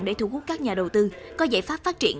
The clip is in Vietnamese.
để thu hút các nhà đầu tư có giải pháp phát triển